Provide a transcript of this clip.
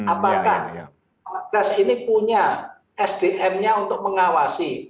apakah alat alat ini punya sdm nya untuk mengawasi